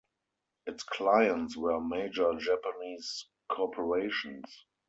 Its clients were major Japanese corporations.